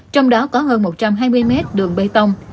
trong đó có hơn một trăm hai mươi mét đường bê tông